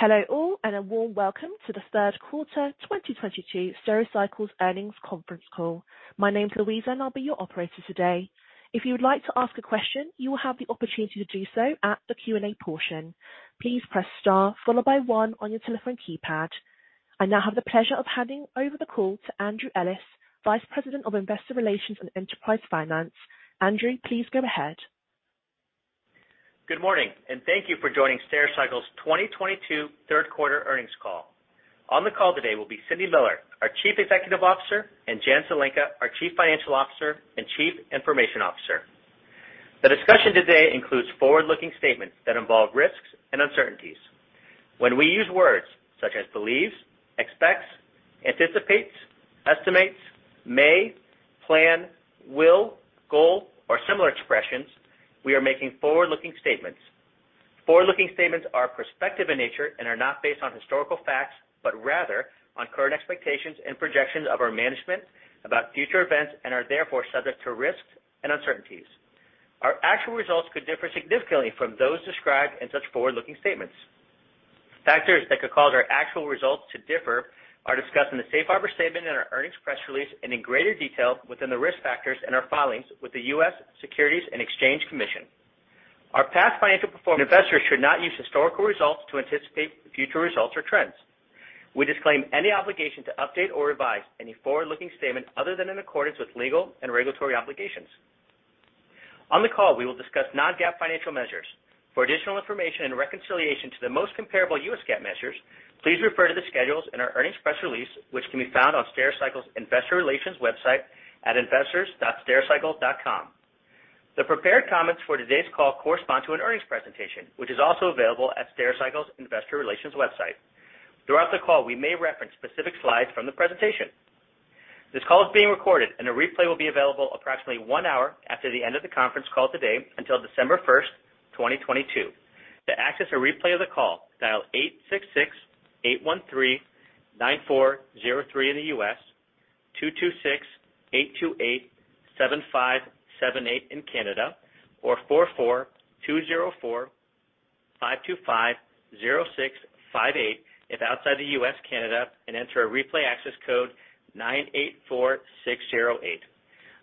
Hello, all, and a warm welcome to the third quarter 2022 Stericycle Earnings Conference Call. My name is Louisa, and I'll be your operator today. If you would like to ask a question, you will have the opportunity to do so at the Q and A portion. Please press star followed by one on your telephone keypad. I now have the pleasure of handing over the call to Andrew Ellis, Vice President of Investor Relations and Enterprise Finance. Andrew, please go ahead. Good morning, and thank you for joining Stericycle's 2022 third quarter earnings call. On the call today will be Cindy Miller, our Chief Executive Officer, and Janet Zelenka, our Chief Financial Officer and Chief Information Officer. The discussion today includes forward-looking statements that involve risks and uncertainties. When we use words such as believes, expects, anticipates, estimates, may, plan, will, goal, or similar expressions, we are making forward-looking statements. Forward-looking statements are prospective in nature and are not based on historical facts, but rather on current expectations and projections of our management about future events and are therefore subject to risks and uncertainties. Our actual results could differ significantly from those described in such forward-looking statements. Factors that could cause our actual results to differ are discussed in the safe harbor statement in our earnings press release and in greater detail within the risk factors in our filings with the U.S. Securities and Exchange Commission. Our past financial performance. Investors should not use historical results to anticipate future results or trends. We disclaim any obligation to update or revise any forward-looking statements other than in accordance with legal and regulatory obligations. On the call, we will discuss non-GAAP financial measures. For additional information and reconciliation to the most comparable U.S. GAAP measures, please refer to the schedules in our earnings press release, which can be found on Stericycle's Investor Relations website at investors.stericycle.com. The prepared comments for today's call correspond to an earnings presentation, which is also available at Stericycle's Investor Relations website. Throughout the call, we may reference specific slides from the presentation. This call is being recorded, and a replay will be available approximately one hour after the end of the conference call today until December 1st, 2022. To access a replay of the call, dial 866-813-9403 in the U.S., 226-828-7578 in Canada, or 44-204-525-0658 if outside the U.S. and Canada, and enter replay access code 984-608.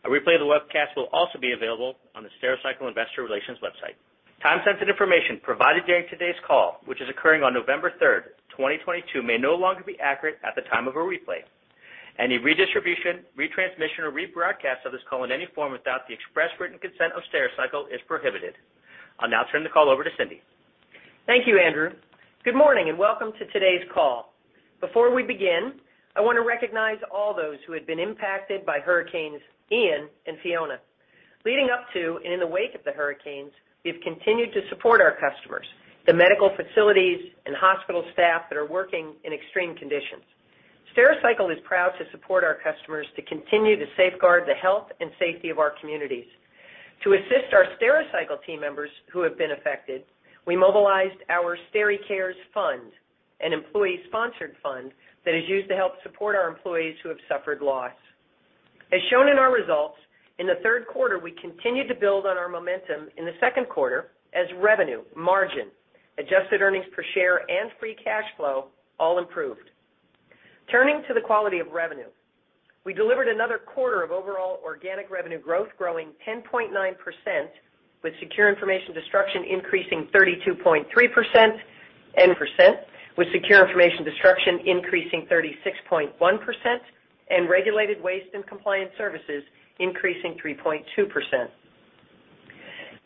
A replay of the webcast will also be available on the Stericycle Investor Relations website. Time-sensitive information provided during today's call, which is occurring on November 3rd, 2022, may no longer be accurate at the time of a replay. Any redistribution, retransmission, or rebroadcast of this call in any form without the express written consent of Stericycle is prohibited. I'll now turn the call over to Cindy. Thank you, Andrew. Good morning and welcome to today's call. Before we begin, I want to recognize all those who have been impacted by Hurricane Ian and Hurricane Fiona. Leading up to and in the wake of the hurricanes, we've continued to support our customers, the medical facilities and hospital staff that are working in extreme conditions. Stericycle is proud to support our customers to continue to safeguard the health and safety of our communities. To assist our Stericycle team members who have been affected, we mobilized our SteriCares Fund, an employee-sponsored fund that is used to help support our employees who have suffered loss. As shown in our results, in the third quarter, we continued to build on our momentum in the second quarter as revenue, margin, adjusted earnings per share, and free cash flow all improved. Turning to the quality of revenue, we delivered another quarter of overall organic revenue growth growing 10.9%, with Secure Information Destruction increasing 36.1%, and regulated waste and compliance services increasing 3.2%.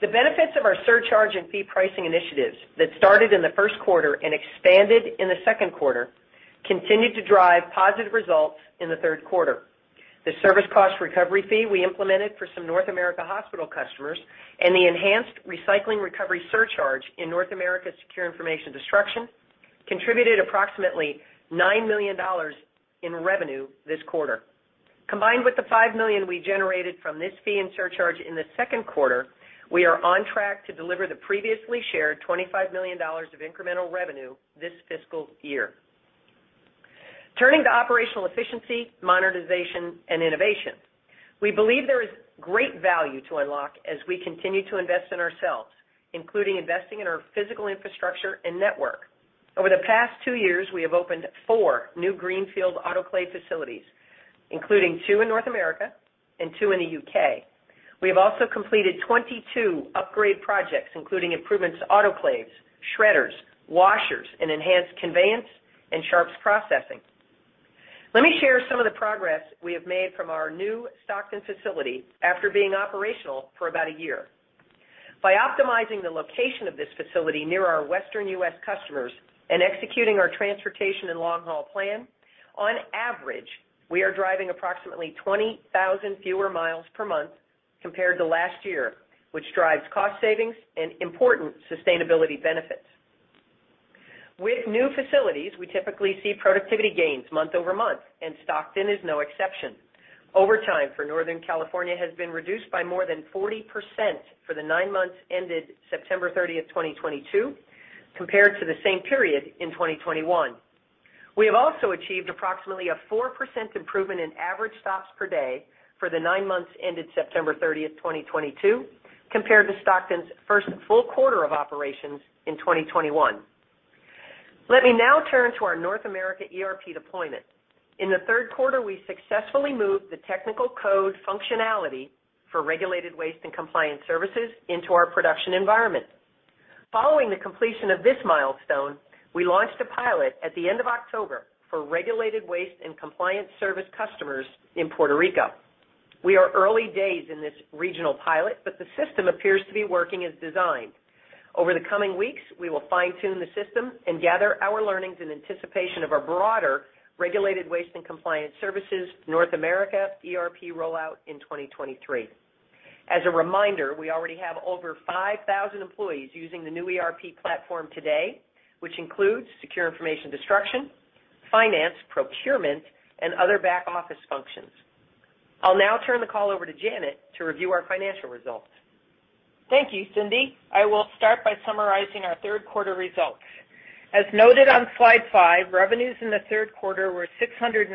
The benefits of our surcharge and fee pricing initiatives that started in the first quarter and expanded in the second quarter continued to drive positive results in the third quarter. The Service Cost Recovery Fee we implemented for some North American hospital customers and the enhanced Recycling Recovery Surcharge in North America, Secure Information Destruction contributed approximately $9 million in revenue this quarter. Combined with the $5 million we generated from this fee and surcharge in the second quarter, we are on track to deliver the previously shared $25 million of incremental revenue this fiscal year. Turning to operational efficiency, monetization, and innovation. We believe there is great value to unlock as we continue to invest in ourselves, including investing in our physical infrastructure and network. Over the past two years, we have opened four new greenfield autoclave facilities, including two in North America and two in the U.K. We have also completed 22 upgrade projects, including improvements to autoclaves, shredders, washers, and enhanced conveyance and sharps processing. Let me share some of the progress we have made from our new Stockton facility after being operational for about a year. By optimizing the location of this facility near our Western U.S. customers and executing our transportation and long-haul plan, on average, we are driving approximately 20,000 fewer miles per month compared to last year, which drives cost savings and important sustainability benefits. With new facilities, we typically see productivity gains month-over-month, and Stockton is no exception. Overtime for Northern California has been reduced by more than 40% for the nine months ended September 30th, 2022, compared to the same period in 2021. We have also achieved approximately a 4% improvement in average stops per day for the nine months ended September 30th, 2022, compared to Stockton's first full quarter of operations in 2021. Let me now turn to our North America ERP deployment. In the third quarter, we successfully moved the technical code functionality for regulated waste and compliance services into our production environment. Following the completion of this milestone, we launched a pilot at the end of October for regulated waste and compliance service customers in Puerto Rico. We are early days in this regional pilot, but the system appears to be working as designed. Over the coming weeks, we will fine-tune the system and gather our learnings in anticipation of our broader regulated waste and compliance services North America ERP rollout in 2023. As a reminder, we already have over 5,000 employees using the new ERP platform today, which includes secure information destruction, finance, procurement, and other back-office functions. I'll now turn the call over to Janet to review our financial results. Thank you, Cindy. I will start by summarizing our third quarter results. As noted on slide five, revenues in the third quarter were $690.3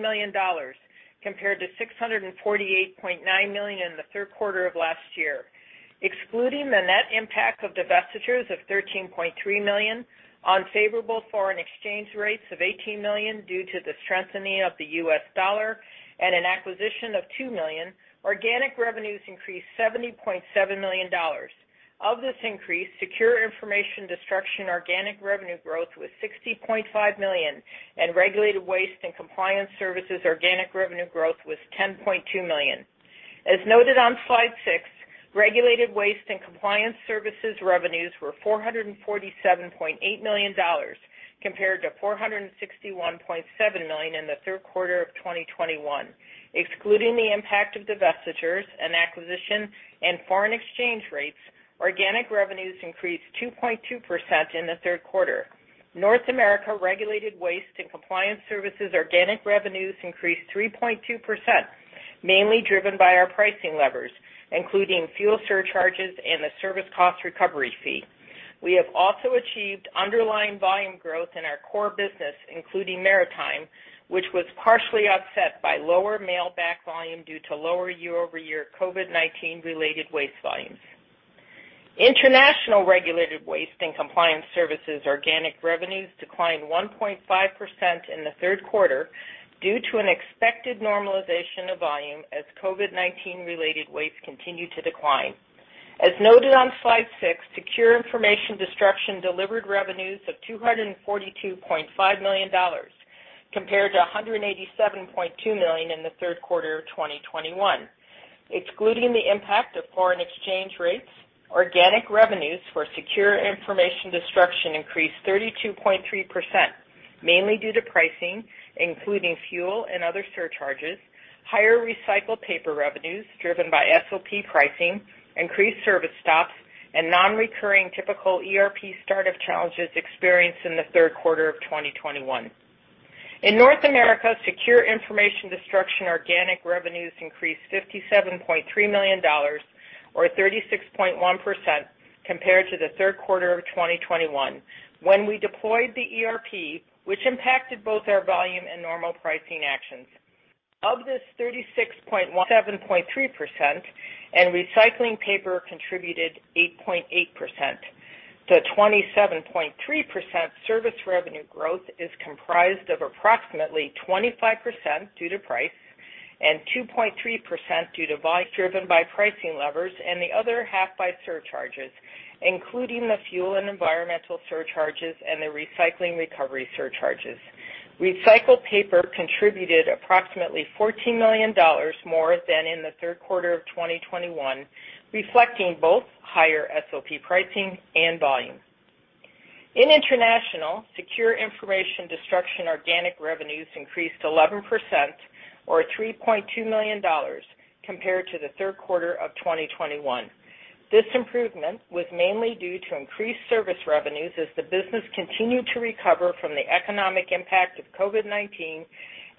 million compared to $648.9 million in the third quarter of last year. Excluding the net impact of divestitures of $13.3 million, unfavorable foreign exchange rates of $18 million due to the strengthening of the U.S. dollar, and an acquisition of $2 million, organic revenues increased $70.7 million. Of this increase, secure information destruction organic revenue growth was $60.5 million, and regulated waste and compliance services organic revenue growth was $10.2 million. As noted on slide six, regulated waste and compliance services revenues were $447.8 million compared to $461.7 million in the third quarter of 2021. Excluding the impact of divestitures and acquisition and foreign exchange rates, organic revenues increased 2.2% in the third quarter. North America regulated waste and compliance services organic revenues increased 3.2%, mainly driven by our pricing levers, including fuel surcharges and the Service Cost Recovery Fee. We have also achieved underlying volume growth in our core business, including Maritime, which was partially offset by lower mail-back volume due to lower year-over-year COVID-19 related waste volumes. International regulated waste and compliance services organic revenues declined 1.5% in the third quarter due to an expected normalization of volume as COVID-19 related waste continued to decline. As noted on slide six, secure information destruction delivered revenues of $242.5 million compared to $187.2 million in the third quarter of 2021. Excluding the impact of foreign exchange rates, organic revenues for secure information destruction increased 32.3%, mainly due to pricing, including fuel and other surcharges, higher recycled paper revenues driven by SOP pricing, increased service stops, and non-recurring typical ERP startup challenges experienced in the third quarter of 2021. In North America, secure information destruction organic revenues increased $57.3 million or 36.1% compared to the third quarter of 2021. When we deployed the ERP, which impacted both our volume and normal pricing actions. OF this 36.1-7.3% and recycling paper contributed 8.8%. The 27.3% service revenue growth is comprised of approximately 25% due to price and 2.3% driven by pricing levers and the other half by surcharges, including the fuel and environmental surcharges and the Recycling Recovery Surcharges. Recycled paper contributed approximately $14 million more than in the third quarter of 2021, reflecting both higher SOP pricing and volume. In international, secure information destruction organic revenues increased 11% or $3.2 million compared to the third quarter of 2021. This improvement was mainly due to increased service revenues as the business continued to recover from the economic impact of COVID-19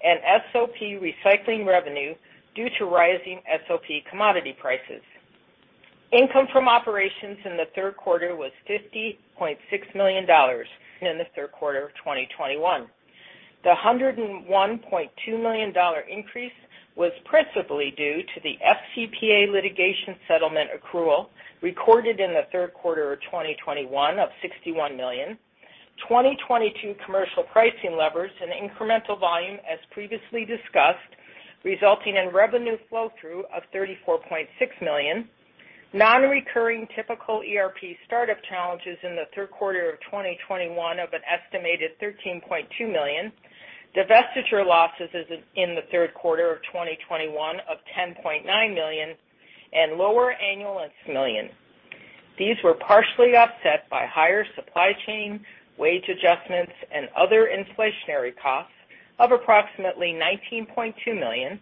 and SOP recycling revenue due to rising SOP commodity prices. Income from operations in the third quarter was $50.6 million in the third quarter of 2021. The $101.2 million increase was principally due to the FCPA litigation settlement accrual recorded in the third quarter of 2021 of $61 million, 2022 commercial pricing levers and incremental volume as previously discussed, resulting in revenue flow through of $34.6 million, non-recurring typical ERP startup challenges in the third quarter of 2021 of an estimated $13.2 million, divestiture losses in the third quarter of 2021 of $10.9 million, and lower annual million. These were partially offset by higher supply chain wage adjustments and other inflationary costs of approximately $19.2 million,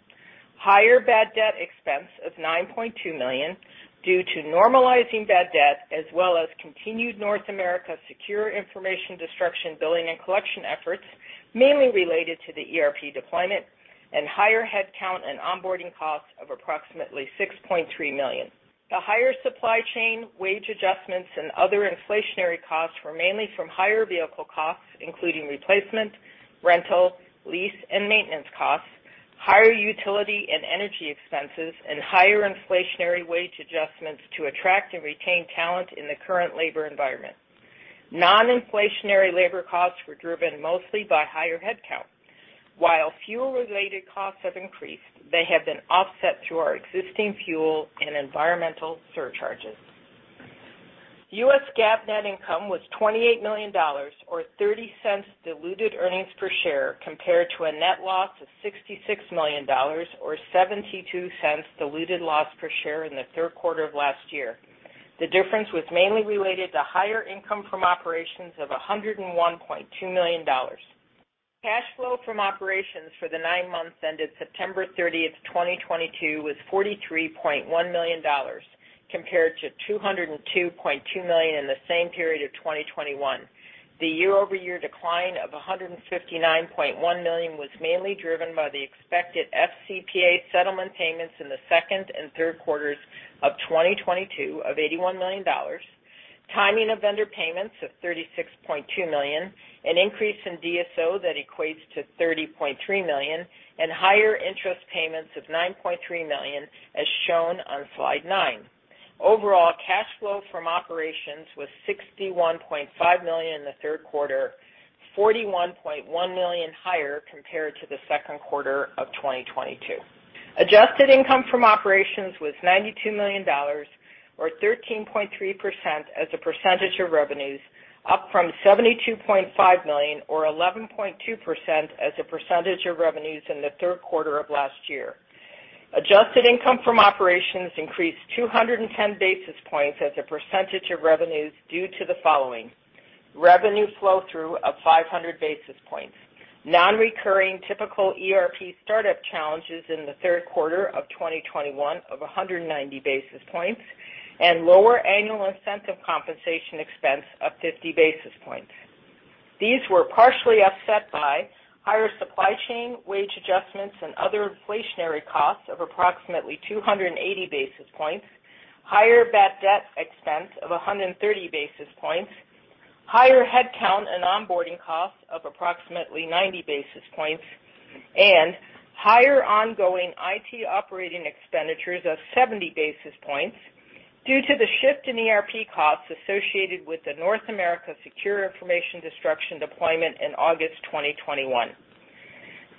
higher bad debt expense of $9.2 million due to normalizing bad debt as well as continued North America secure information destruction billing and collection efforts, mainly related to the ERP deployment. Higher headcount and onboarding costs of approximately $6.3 million. The higher supply chain wage adjustments and other inflationary costs were mainly from higher vehicle costs, including replacement, rental, lease, and maintenance costs, higher utility and energy expenses, and higher inflationary wage adjustments to attract and retain talent in the current labor environment. Non-inflationary labor costs were driven mostly by higher headcount. While fuel-related costs have increased, they have been offset through our existing fuel and environmental surcharges. U.S. GAAP net income was $28 million or $0.30 diluted earnings per share, compared to a net loss of $66 million or $0.72 diluted loss per share in the third quarter of last year. The difference was mainly related to higher income from operations of $101.2 million. Cash flow from operations for the nine months ended September 30th, 2022 was $43.1 million compared to $202.2 million in the same period of 2021. The year-over-year decline of $159.1 million was mainly driven by the expected FCPA settlement payments in the second and third quarters of 2022 of $81 million, timing of vendor payments of $36.2 million, an increase in DSO that equates to $30.3 million, and higher interest payments of $9.3 million, as shown on slide nine. Overall, cash flow from operations was $61.5 million in the third quarter, $41.1 million higher compared to the second quarter of 2022. Adjusted income from operations was $92 million or 13.3% as a percentage of revenues, up from $72.5 million or 11.2% as a percentage of revenues in the third quarter of last year. Adjusted income from operations increased 210 basis points as a percentage of revenues due to the following, revenue flow-through of 500 basis points, non-recurring typical ERP startup challenges in the third quarter of 2021 of 190 basis points, and lower annual incentive compensation expense of 50 basis points. These were partially offset by higher supply chain wage adjustments and other inflationary costs of approximately 280 basis points, higher bad debt expense of 130 basis points, higher headcount and onboarding costs of approximately 90 basis points, and higher ongoing IT operating expenditures of 70 basis points due to the shift in ERP costs associated with the North America Secure Information Destruction deployment in August 2021.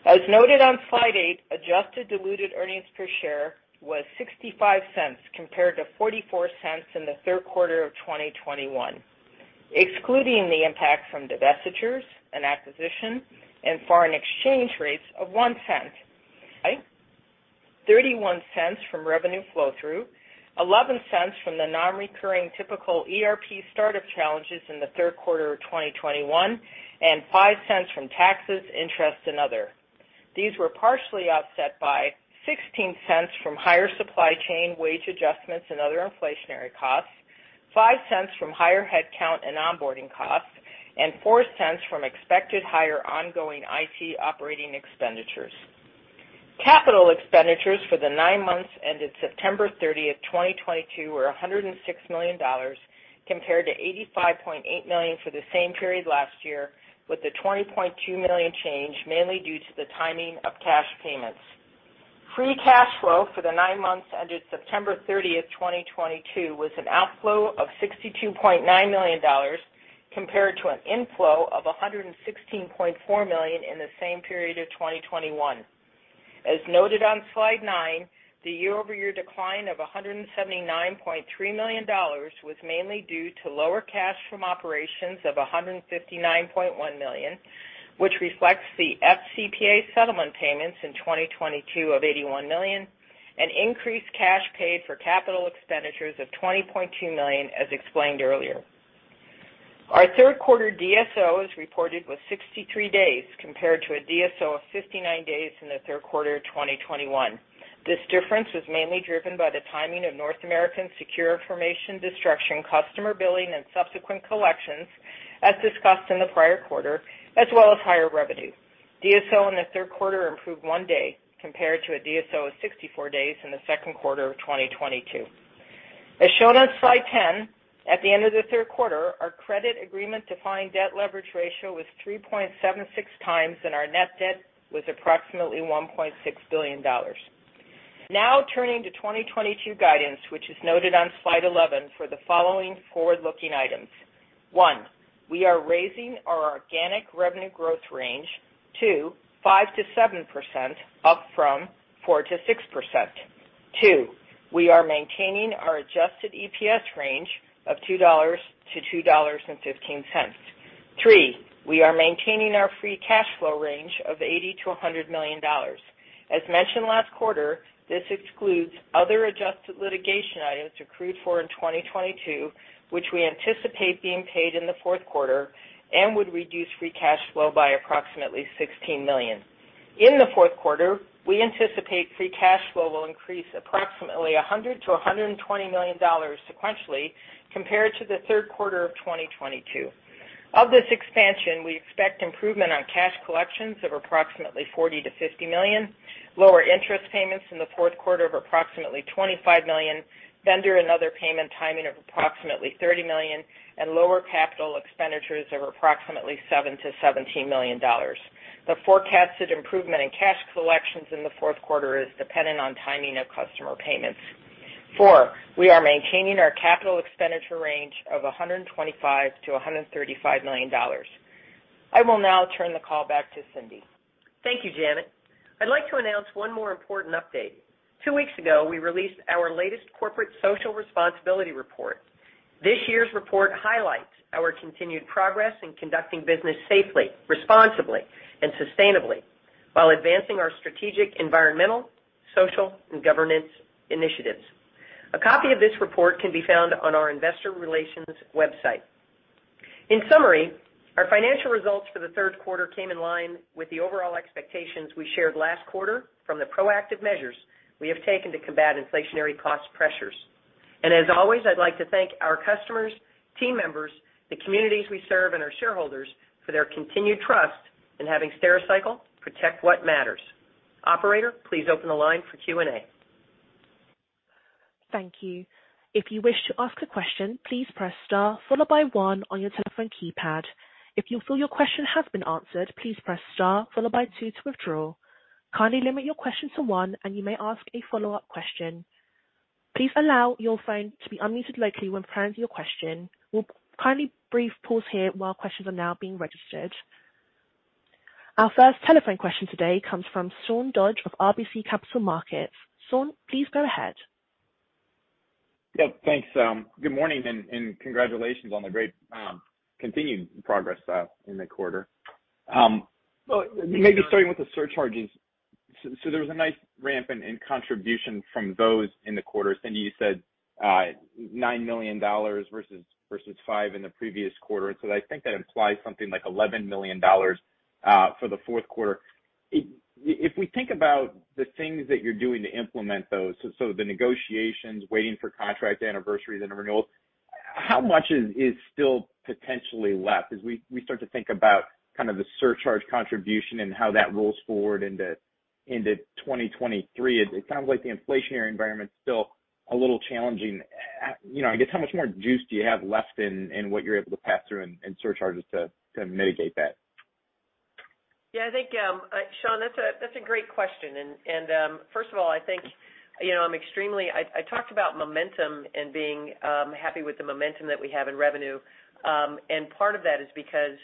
As noted on slide eight, adjusted diluted earnings per share was $0.65 compared to $0.44 in the third quarter of 2021, excluding the impact from divestitures and acquisition and foreign exchange rates of $0.01. $0.31 from revenue flow-through, $0.11 from the non-recurring typical ERP startup challenges in the third quarter of 2021, and $0.05 from taxes, interest, and other. These were partially offset by $0.16 from higher supply chain wage adjustments and other inflationary costs, $0.05 from higher headcount and onboarding costs, and $0.04 from expected higher ongoing IT operating expenditures. Capital expenditures for the nine months ended September 30th, 2022 were $106 million compared to $85.8 million for the same period last year, with the $20.2 million change mainly due to the timing of cash payments. Free cash flow for the nine months ended September 30th, 2022 was an outflow of $62.9 million compared to an inflow of $116.4 million in the same period of 2021. As noted on slide nine, the year-over-year decline of $179.3 million was mainly due to lower cash from operations of $159.1 million, which reflects the FCPA settlement payments in 2022 of $81 million and increased cash paid for capital expenditures of $20.2 million, as explained earlier. Our third quarter DSO, as reported, was 63 days compared to a DSO of 59 days in the third quarter of 2021. This difference was mainly driven by the timing of North American Secure Information Destruction customer billing and subsequent collections, as discussed in the prior quarter, as well as higher revenue. DSO in the third quarter improved one day compared to a DSO of 64 days in the second quarter of 2022. As shown on slide 10, at the end of the third quarter, our credit agreement-defined debt leverage ratio was 3.76 times, and our net debt was approximately $1.6 billion. Now turning to 2022 guidance, which is noted on slide 11 for the following forward-looking items. One, we are raising our organic revenue growth range to 5%-7%, up from 4%-6%. Two, we are maintaining our Adjusted EPS range of $2-$2.15. Three, we are maintaining our free cash flow range of $80 million-$100 million. As mentioned last quarter, this excludes other adjusted litigation items accrued for in 2022, which we anticipate being paid in the fourth quarter and would reduce free cash flow by approximately $16 million. In the fourth quarter, we anticipate free cash flow will increase approximately $100 million-$120 million sequentially compared to the third quarter of 2022. Of this expansion, we expect improvement on cash collections of approximately $40 million-$50 million, lower interest payments in the fourth quarter of approximately $25 million, vendor and other payment timing of approximately $30 million, and lower capital expenditures of approximately $7 million-$17 million. The forecasted improvement in cash collections in the fourth quarter is dependent on timing of customer payments. Four, we are maintaining our capital expenditure range of $125 million-$135 million. I will now turn the call back to Cindy. Thank you, Janet. I'd like to announce one more important update. Two weeks ago, we released our latest corporate social responsibility report. This year's report highlights our continued progress in conducting business safely, responsibly, and sustainably while advancing our strategic, environmental, social, and governance initiatives. A copy of this report can be found on our investor relations website. In summary, our financial results for the third quarter came in line with the overall expectations we shared last quarter from the proactive measures we have taken to combat inflationary cost pressures. As always, I'd like to thank our customers, team members, the communities we serve, and our shareholders for their continued trust in having Stericycle protect what matters. Operator, please open the line for Q and A. Thank you. If you wish to ask a question, please press star followed by one on your telephone keypad. If you feel your question has been answered, please press star followed by two to withdraw. Kindly limit your question to one, and you may ask a follow-up question. Please allow your phone to be unmuted locally when preparing for your question. We'll take a brief pause here while questions are now being registered. Our first telephone question today comes from Sean Dodge of RBC Capital Markets. Sean, please go ahead. Yeah, thanks. Good morning and congratulations on the great continued progress in the quarter. Maybe starting with the surcharges. There was a nice ramp in contribution from those in the quarter. Cindy, you said $9 million versus $5 million in the previous quarter. I think that implies something like $11 million for the fourth quarter. If we think about the things that you're doing to implement those, so the negotiations, waiting for contract anniversaries and renewals, how much is still potentially left as we start to think about kind of the surcharge contribution and how that rolls forward into 2023? It sounds like the inflationary environment is still a little challenging. You know, I guess how much more juice do you have left in what you're able to pass through and surcharges to mitigate that? Yeah, I think, Sean, that's a great question. First of all, I think, you know, I talked about momentum and being happy with the momentum that we have in revenue. Part of that is because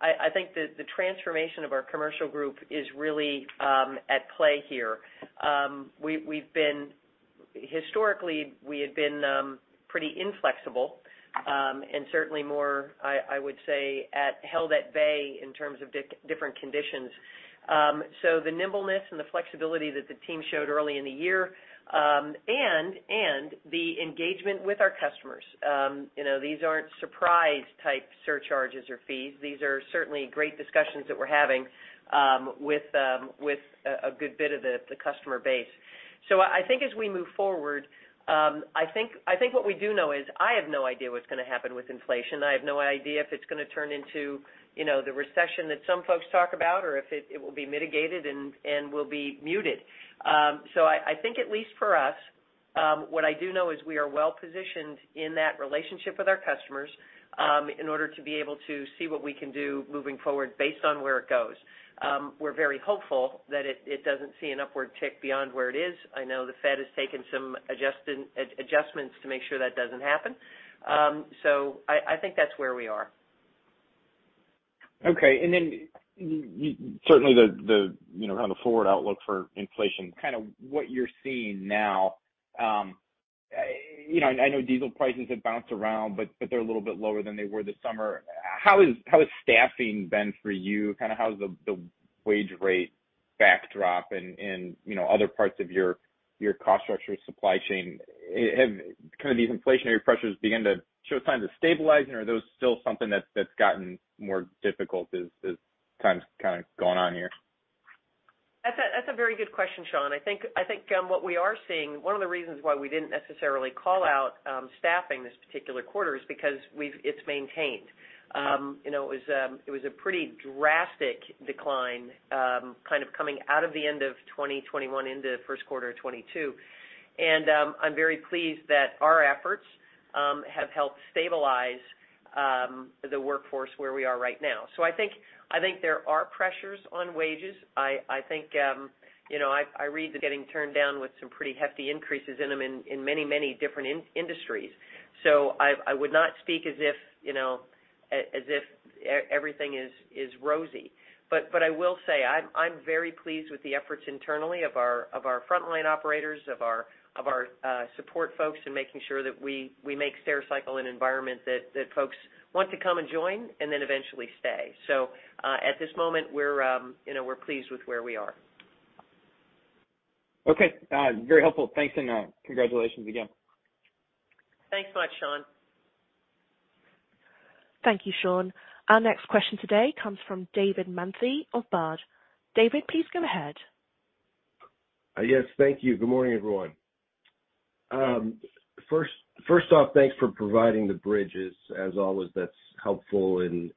I think the transformation of our commercial group is really at play here. Historically, we had been pretty inflexible and certainly more, I would say, held at bay in terms of different conditions. The nimbleness and the flexibility that the team showed early in the year and the engagement with our customers. You know, these aren't surprise type surcharges or fees. These are certainly great discussions that we're having with a good bit of the customer base. I think as we move forward, I think what we do know is I have no idea what's gonna happen with inflation. I have no idea if it's gonna turn into, you know, the recession that some folks talk about or if it will be mitigated and will be muted. I think at least for us, what I do know is we are well-positioned in that relationship with our customers, in order to be able to see what we can do moving forward based on where it goes. We're very hopeful that it doesn't see an upward tick beyond where it is. I know the Fed has taken some adjustments to make sure that doesn't happen. I think that's where we are. Okay. You know, on the forward outlook for inflation, kind of what you're seeing now, you know, I know diesel prices have bounced around, but they're a little bit lower than they were this summer. How is staffing been for you? Kinda how's the wage rate backdrop and you know, other parts of your cost structure, supply chain? Have kinda these inflationary pressures begin to show signs of stabilizing or are those still something that's gotten more difficult as time's kinda gone on here? That's a very good question, Sean. I think what we are seeing, one of the reasons why we didn't necessarily call out staffing this particular quarter is because it's maintained. You know, it was a pretty drastic decline kind of coming out of the end of 2021 into first quarter of 2022. I'm very pleased that our efforts have helped stabilize the workforce where we are right now. So I think there are pressures on wages. I think you know, I read they're getting turned down with some pretty hefty increases in them in many different industries. I would not speak as if everything is rosy. I will say I'm very pleased with the efforts internally of our frontline operators, of our support folks in making sure that we make Stericycle an environment that folks want to come and join and then eventually stay. At this moment, you know, we're pleased with where we are. Okay. Very helpful. Thanks, and congratulations again. Thanks so much, Sean. Thank you, Sean. Our next question today comes from David Manthey of Baird. David, please go ahead. Yes, thank you. Good morning, everyone. First off, thanks for providing the bridges. As always, that's helpful in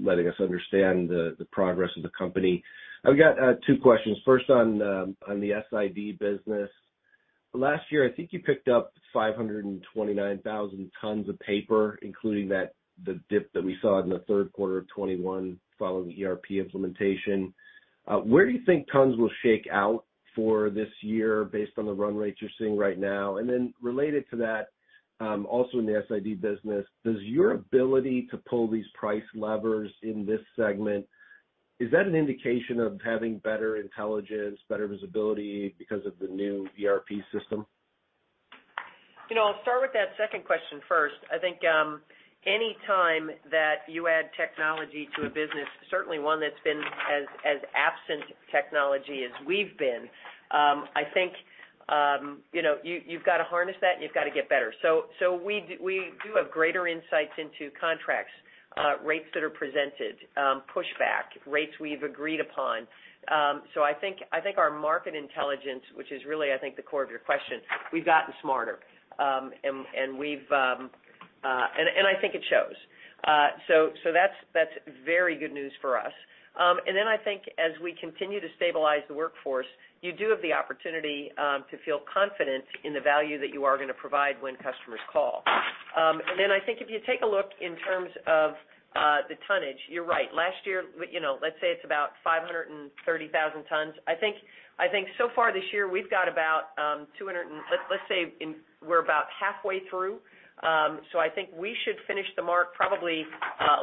letting us understand the progress of the company. I've got two questions. First, on the SID business. Last year, I think you picked up 529,000 tons of paper, including the dip that we saw in the third quarter of 2021 following the ERP implementation. Where do you think tons will shake out for this year based on the run rates you're seeing right now? And then related to that, also in the SID business, does your ability to pull these price levers in this segment, is that an indication of having better intelligence, better visibility because of the new ERP system? You know, I'll start with that second question first. I think any time that you add technology to a business, certainly one that's been as absent technology as we've been, I think you know, you've got to harness that and you've got to get better. We do have greater insights into contracts, rates that are presented, pushback, rates we've agreed upon. I think our market intelligence, which is really the core of your question, we've gotten smarter. And we've gotten smarter. I think it shows. That's very good news for us. I think as we continue to stabilize the workforce, you do have the opportunity to feel confident in the value that you are gonna provide when customers call. I think if you take a look in terms of the tonnage, you're right. Last year, you know, let's say it's about 530,000 tons. I think so far this year, we've got about 200 and, let's say we're about halfway through. I think we should finish the year probably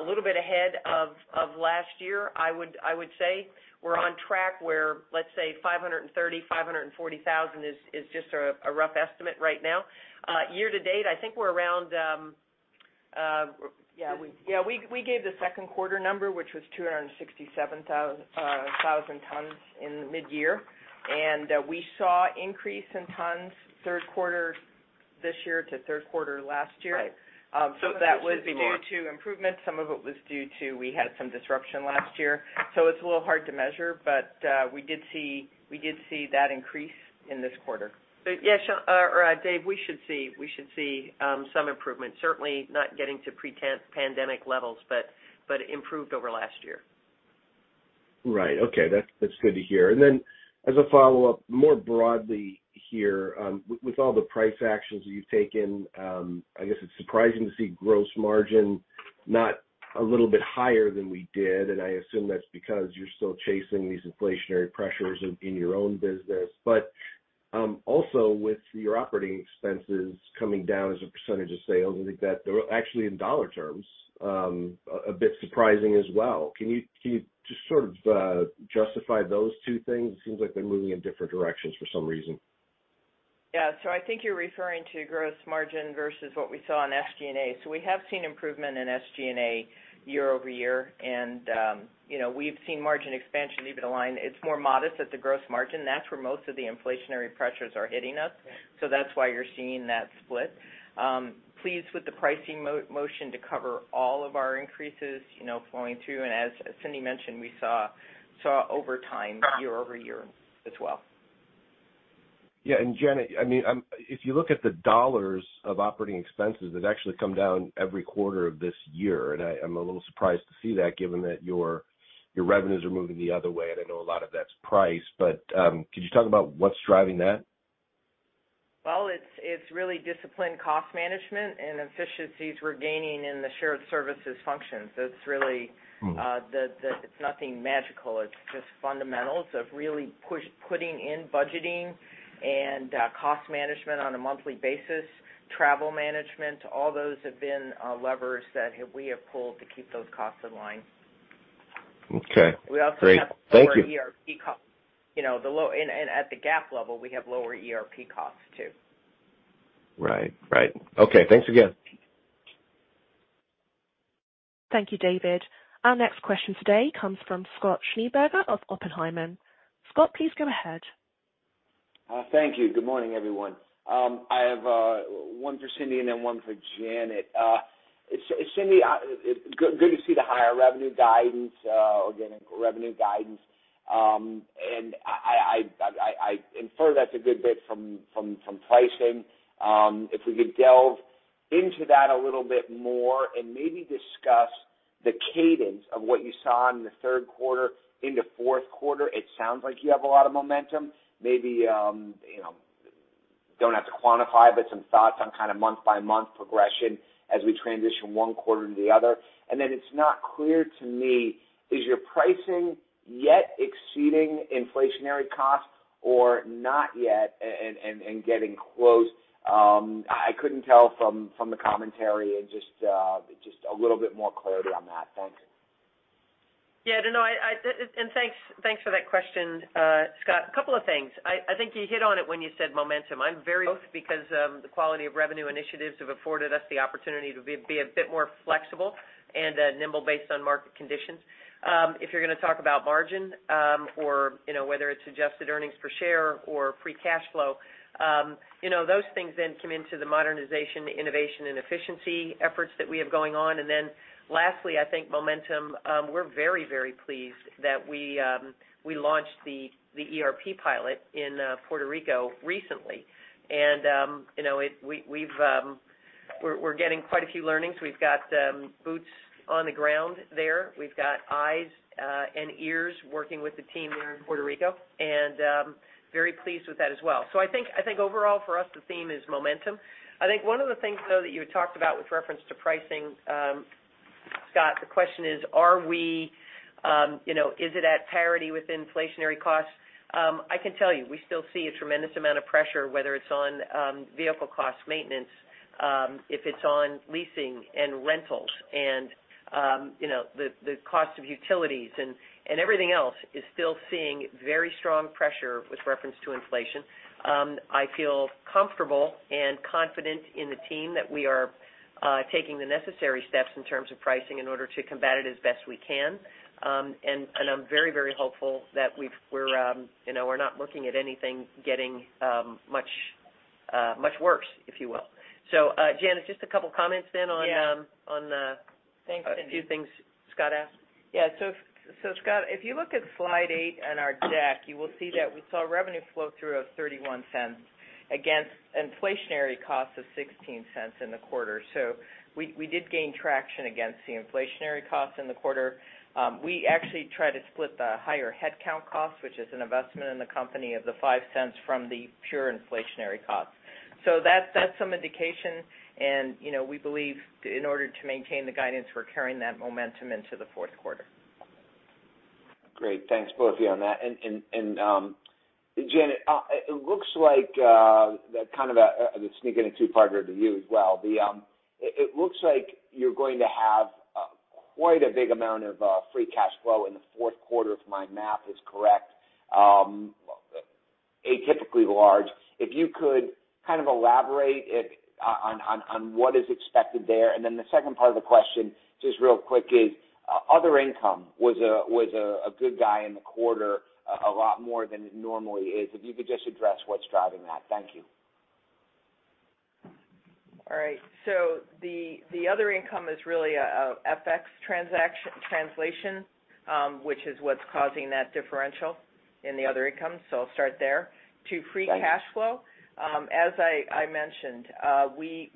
a little bit ahead of last year. I would say we're on track where, let's say 530,000-540,000 is just a rough estimate right now. Year to date, I think we're around. Yeah. We gave the second quarter number, which was 267,000 tons in midyear. We saw increase in tons third quarter this year to third quarter last year. Right. That was due to improvement. Some of it was due to we had some disruption last year. It's a little hard to measure, but we did see that increase in this quarter. Yeah, Sean or David, we should see some improvement. Certainly not getting to pre-pandemic levels, but improved over last year. Right. Okay. That's good to hear. As a follow-up, more broadly here, with all the price actions you've taken, I guess it's surprising to see gross margin not a little bit higher than we did. I assume that's because you're still chasing these inflationary pressures in your own business. Also with your operating expenses coming down as a percentage of sales, I think that they're actually in dollar terms a bit surprising as well. Can you just sort of justify those two things? It seems like they're moving in different directions for some reason. Yeah. I think you're referring to gross margin versus what we saw in SG&A. We have seen improvement in SG&A year-over-year. You know, we've seen margin expansion even aligned. It's more modest at the gross margin. That's where most of the inflationary pressures are hitting us. That's why you're seeing that split. Pleased with the pricing momentum to cover all of our increases, you know, flowing through. As Cindy mentioned, we saw overtime year-over-year as well. Janet, I mean, if you look at the dollars of operating expenses, they've actually come down every quarter of this year. I'm a little surprised to see that given that your revenues are moving the other way. I know a lot of that's price. Could you talk about what's driving that? Well, it's really disciplined cost management and efficiencies we're gaining in the shared services functions. That's really. Mm-hmm. It's nothing magical. It's just fundamentals of really putting in budgeting and cost management on a monthly basis, travel management. All those have been levers that we have pulled to keep those costs in line. Okay. Great. Thank you. We also have lower ERP cost. You know, at the GAAP level, we have lower ERP costs too. Right. Okay. Thanks again. Thank you, David. Our next question today comes from Scott Schneeberger of Oppenheimer. Scott, please go ahead. Thank you. Good morning, everyone. I have one for Cindy and then one for Janet. Cindy, good to see the higher revenue guidance, organic revenue guidance. I infer that's a good bit from pricing. If we could delve into that a little bit more and maybe discuss the cadence of what you saw in the third quarter into fourth quarter. It sounds like you have a lot of momentum. Maybe, you know, don't have to quantify, but some thoughts on kind of month by month progression as we transition one quarter to the other. Then it's not clear to me, is your pricing yet exceeding inflationary costs or not yet and getting close? I couldn't tell from the commentary and just a little bit more clarity on that. Thanks. Yeah. No, thanks for that question, Scott. A couple of things. I think you hit on it when you said momentum. I'm very pleased because the quality of revenue initiatives have afforded us the opportunity to be a bit more flexible and nimble based on market conditions. If you're gonna talk about margin, or, you know, whether it's adjusted earnings per share or free cash flow, you know, those things then come into the modernization, innovation, and efficiency efforts that we have going on. Lastly, I think momentum, we're very, very pleased that we launched the ERP pilot in Puerto Rico recently. You know, we're getting quite a few learnings. We've got boots on the ground there. We've got eyes and ears working with the team there in Puerto Rico, and very pleased with that as well. I think overall for us, the theme is momentum. I think one of the things, though, that you had talked about with reference to pricing, Scott, the question is, you know, is it at parity with inflationary costs? I can tell you, we still see a tremendous amount of pressure, whether it's on vehicle costs, maintenance, if it's on leasing and rentals and, you know, the cost of utilities and everything else is still seeing very strong pressure with reference to inflation. I feel comfortable and confident in the team that we are taking the necessary steps in terms of pricing in order to combat it as best we can. I'm very, very hopeful that we're, you know, we're not looking at anything getting much worse, if you will. Janet, just a couple of comments then on Yeah. On, uh- Thanks, Cindy. A few things Scott asked. Yeah. Scott, if you look at slide eight in our deck, you will see that we saw revenue flow through of $0.31 against inflationary costs of $0.16 in the quarter. We did gain traction against the inflationary costs in the quarter. We actually try to split the higher headcount cost, which is an investment in the company of the 5 cents from the pure inflationary costs. That's some indication. You know, we believe in order to maintain the guidance, we're carrying that momentum into the fourth quarter. Great. Thanks both of you on that. Janet, it looks like kind of I'll just sneak in a two-parter to you as well. It looks like you're going to have quite a big amount of free cash flow in the fourth quarter if my math is correct, atypically large. If you could kind of elaborate on it, what is expected there. Then the second part of the question, just real quick, is other income was a good guy in the quarter, a lot more than it normally is. If you could just address what's driving that. Thank you. All right. The other income is really a FX translation, which is what's causing that differential in the other income. I'll start there. Got it. To free cash flow, as I mentioned, we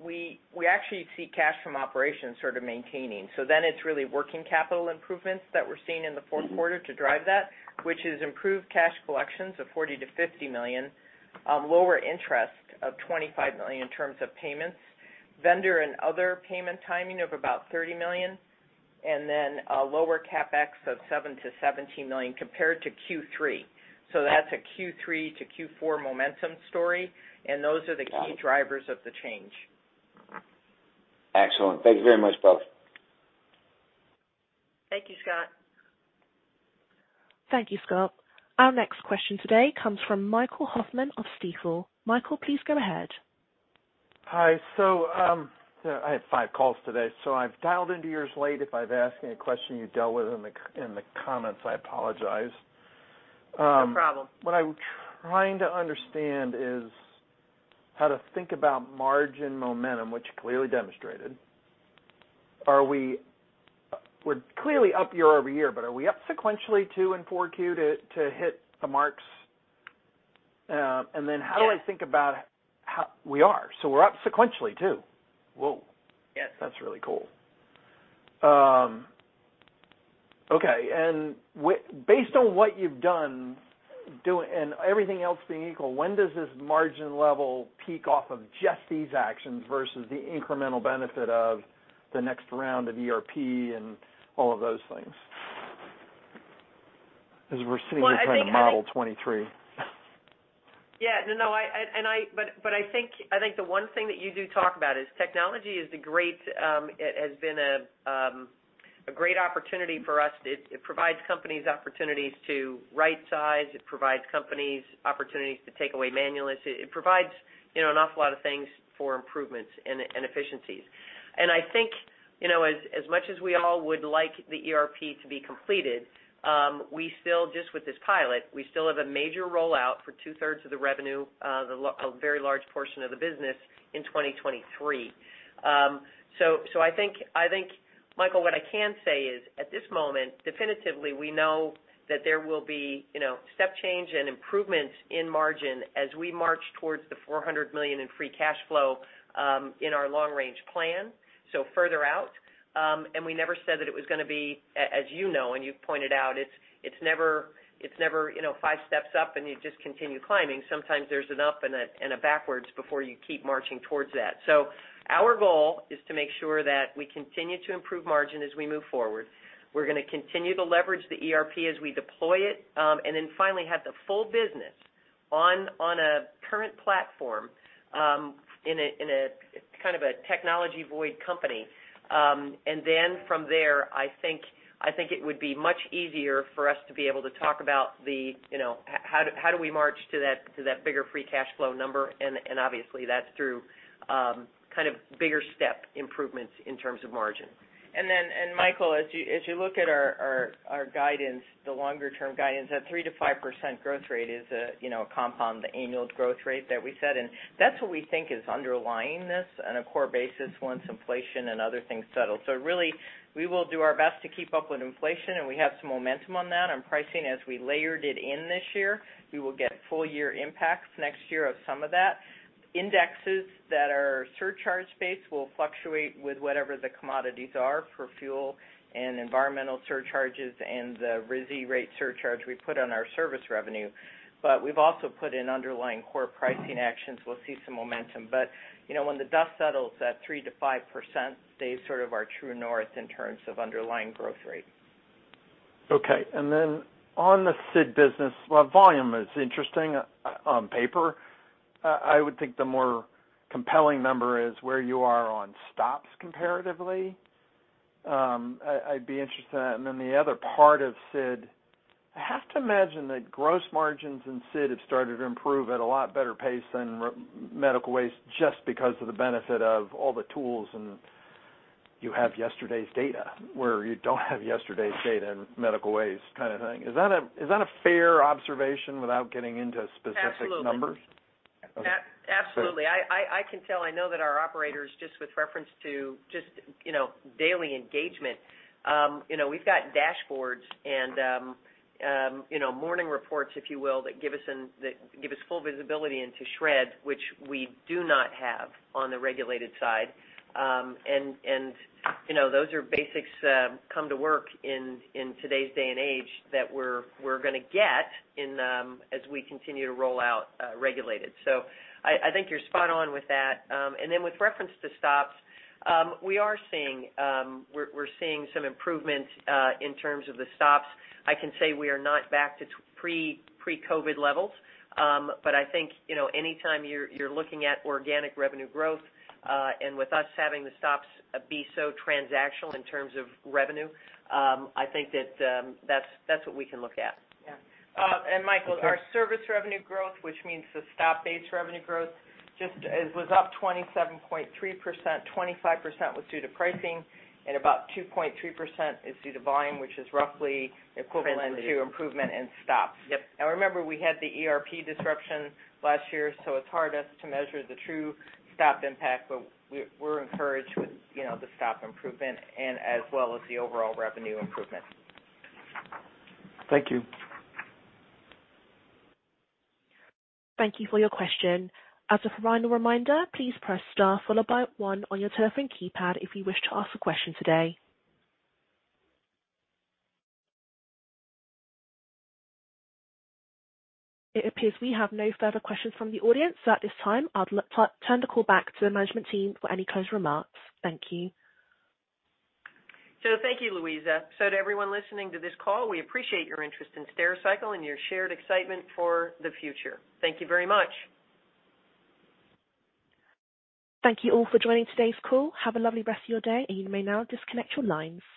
actually see cash from operations sort of maintaining. It's really working capital improvements that we're seeing in the fourth quarter to drive that, which is improved cash collections of $40 million-$50 million, lower interest of $25 million in terms of payments, vendor and other payment timing of about $30 million, and then a lower CapEx of $7 million-$17 million compared to Q3. That's a Q3 to Q4 momentum story, and those are the key drivers of the change. Excellent. Thank you very much, both. Thank you, Scott. Thank you, Scott. Our next question today comes from Michael Hoffman of Stifel. Michael, please go ahead. Hi. I have five calls today, so I've dialed into yours late. If I've asked any question you dealt with in the comments, I apologize. No problem. What I'm trying to understand is how to think about margin momentum, which you clearly demonstrated. We're clearly up year-over-year, but are we up sequentially too in 4Q to hit the marks? How do I think about- Yes. We are. We're up sequentially, too. Whoa. Yes. That's really cool. Okay. Based on what you've done and everything else being equal, when does this margin level peak off of just these actions versus the incremental benefit of the next round of ERP and all of those things? As we're sitting here trying to model 2023. I think the one thing that you do talk about is technology is a great. It has been a great opportunity for us. It provides companies opportunities to rightsize. It provides you know an awful lot of things for improvements and efficiencies. I think you know as much as we all would like the ERP to be completed, we still just with this pilot have a major rollout for two-thirds of the revenue, a very large portion of the business in 2023. I think, Michael, what I can say is, at this moment, definitively, we know that there will be, you know, step change and improvements in margin as we march towards the $400 million in free cash flow in our long-range plan, so further out. We never said that it was gonna be, as you know, and you've pointed out, it's never, you know, five steps up, and you just continue climbing. Sometimes there's an up and a backwards before you keep marching towards that. Our goal is to make sure that we continue to improve margin as we move forward. We're gonna continue to leverage the ERP as we deploy it, and then finally have the full business on a current platform in a kind of technology void company. From there, I think it would be much easier for us to be able to talk about the, you know, how do we march to that bigger free cash flow number? Obviously, that's through kind of bigger step improvements in terms of margin. Michael, as you look at our guidance, the longer-term guidance, that 3%-5% growth rate is, you know, a compound annual growth rate that we set. That's what we think is underlying this on a core basis once inflation and other things settle. Really, we will do our best to keep up with inflation, and we have some momentum on that on pricing as we layered it in this year. We will get full year impacts next year of some of that. Indexes that are surcharge-based will fluctuate with whatever the commodities are for fuel and environmental surcharges and the RISI rate surcharge we put on our service revenue. We've also put in underlying core pricing actions. We'll see some momentum. You know, when the dust settles, that 3%-5% stays sort of our true north in terms of underlying growth rate. Okay. On the SID business, well, volume is interesting on paper. I would think the more compelling number is where you are on stops comparatively. I'd be interested in that. The other part of SID, I have to imagine that gross margins in SID have started to improve at a lot better pace than medical waste just because of the benefit of all the tools and you have yesterday's data, where you don't have yesterday's data in medical waste kind of thing. Is that a fair observation without getting into specific numbers? Absolutely. Okay. Absolutely. I can tell, I know that our operators just with reference to just, you know, daily engagement, you know, we've got dashboards and, you know, morning reports, if you will, that give us full visibility into shred, which we do not have on the regulated side. And, you know, those are basics, come to work in today's day and age that we're gonna get in as we continue to roll out regulated. I think you're spot on with that. And then with reference to stops, we are seeing, we're seeing some improvements in terms of the stops. I can say we are not back to pre-COVID levels. I think, you know, anytime you're looking at organic revenue growth and with us having the stops be so transactional in terms of revenue, I think that that's what we can look at. Yeah. Michael, our service revenue growth, which means the stop-based revenue growth, was up 27.3%. 25% was due to pricing, and about 2.3% is due to volume, which is roughly equivalent to improvement in stops. Yep. Now, remember, we had the ERP disruption last year, so it's hard for us to measure the true topline impact. We're encouraged with, you know, the topline improvement and as well as the overall revenue improvement. Thank you. Thank you for your question. As a final reminder, please press star followed by one on your telephone keypad if you wish to ask a question today. It appears we have no further questions from the audience. At this time, I'll turn the call back to the management team for any close remarks. Thank you. Thank you, Louisa. To everyone listening to this call, we appreciate your interest in Stericycle and your shared excitement for the future. Thank you very much. Thank you all for joining today's call. Have a lovely rest of your day. You may now disconnect your lines.